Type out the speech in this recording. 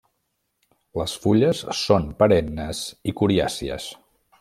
Les fulles són perennes i coriàcies.